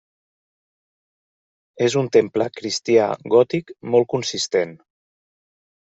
És un temple cristià gòtic molt consistent.